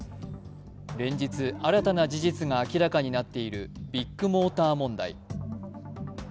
連日、新たな事実が明らかになっているビッグモーター問題。